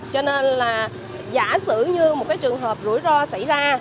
cho nên giả sử như một trường hợp rủi ro xảy ra